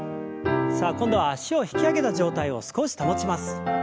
さあ今度は脚を引き上げた状態を少し保ちます。